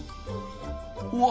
うわ！